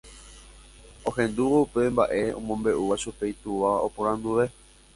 Ohendúvo upe mba'e omombe'úva chupe itúva oporanduve.